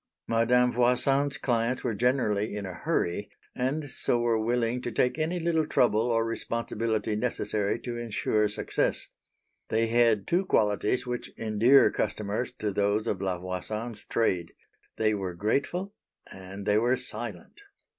Madame Voisin's clients were generally in a hurry, and so were willing to take any little trouble or responsibility necessary to ensure success. They had two qualities which endear customers to those of La Voisin's trade; they were grateful and they were silent.